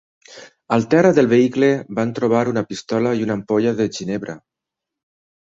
Al terra del vehicle van trobar una pistola i una ampolla de ginebra.